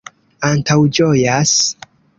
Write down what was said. antaŭĝojas